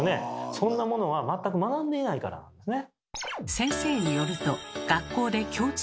そんなものは全く学んでいないからなんですね。